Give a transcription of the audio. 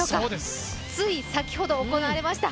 つい先ほど行われました